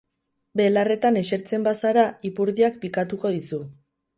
Belarretan esertzen bazara, ipurdiak pikatuko dizu.